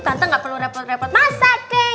tante gak perlu repot repot masak